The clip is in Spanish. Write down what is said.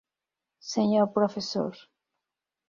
Señor Prof.